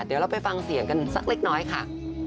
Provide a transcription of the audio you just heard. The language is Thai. เดี๋ยวเราไปฟังเสียงกันสักเล็กน้อยค่ะ